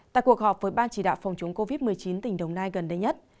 tại cuộc họp với ban chỉ đạo phòng chống covid một mươi chín tỉnh đồng nai gần đây nhất